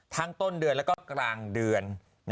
ต้นเดือนแล้วก็กลางเดือน